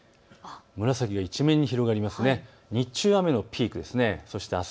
紫が一面に広がります。